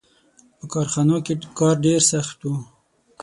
• په کارخانو کې کار ډېر سخت و.